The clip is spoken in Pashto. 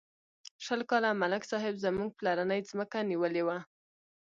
شل کاله ملک صاحب زموږ پلرنۍ ځمکه نیولې وه.